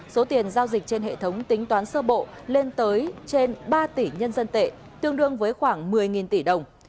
số tiền giao dịch trên hệ thống tính toán sơ bộ lên tới trên ba tỷ nhân dân tệ tương đương với khoảng một mươi tỷ đồng